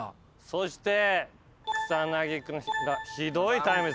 そして。